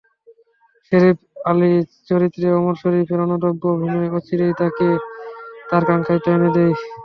Sheriff Ali চরিত্রে ওমর শরিফের অনবদ্য অভিনয় অচিরেই তাঁকে তারকাখ্যাতি এনে দেয়।